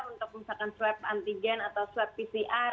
untuk misalkan swab antigen atau swab pcr